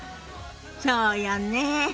そうよね。